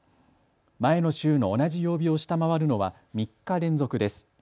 前の週の同じ曜日を下回るのは３日連続です。